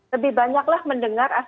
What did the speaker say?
lebih banyaklah mendengar